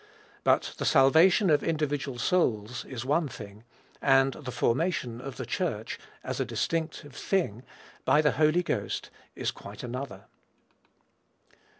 But the salvation of individual souls is one thing; and the formation of the Church, as a distinctive thing, by the Holy Ghost, is quite another.